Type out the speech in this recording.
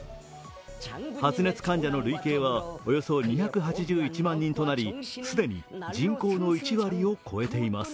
発熱患者の累計はおよそ２８１万人となり、既に人口の１割を超えています。